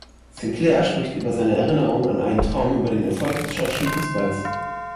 Sinclair spricht über seine Erinnerung an einen Traum über den Erfolg des schottischen Fussballs.